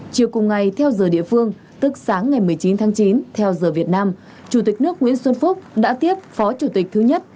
chiều cùng ngày theo giờ địa phương tức sáng ngày một mươi chín tháng chín theo giờ việt nam chủ tịch nước nguyễn xuân phúc đã tiếp phó chủ tịch thứ nhất